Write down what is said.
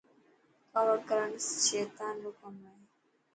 ڪاوڙ ڪرڻ سيطن رو ڪم هي.